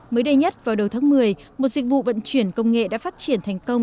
mới đây nhất vào đầu tháng một mươi một dịch vụ vận chuyển công nghệ đã phát triển thành công